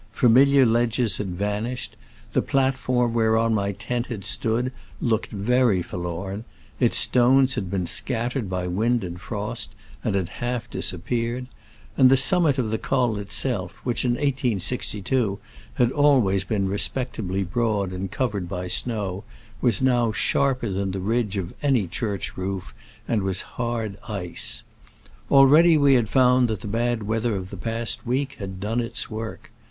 Familiar ledges had vanished ; the plat form whereon my tent had stood looked very forlorn ; its stones had been scat tered by wind and frost, and had half disappeared ; and the summit of the col itself, which in 1862 had always been respectably broad and covered by snow, was now sharper than the ridge of any church roof,' and was hard ice. Already we had found that the bad weather of the past week had done its work.